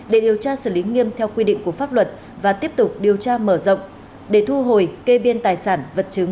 để điều tra xử lý nghiêm theo quy định của pháp luật và tiếp tục điều tra mở rộng để thu hồi kê biên tài sản vật chứng